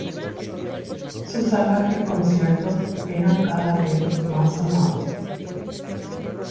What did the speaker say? Sus salvajes conciertos eran cada vez más sonados.